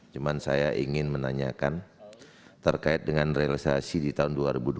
cuma saya ingin menanyakan terkait dengan realisasi di tahun dua ribu dua puluh